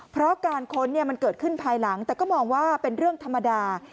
เพราะการค้นมันเกิดขึ้นภายหลังแต่ก็มองว่าเป็นเรื่องธรรมดา